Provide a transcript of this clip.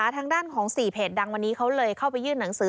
ทางด้านของ๔เพจดังวันนี้เขาเลยเข้าไปยื่นหนังสือ